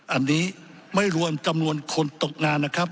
อันนี้ไม่รวมจำนวนคนตกงานนะครับ